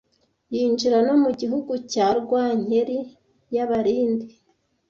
yinjira no mu gihugu cya Rwankeli y’Abarindi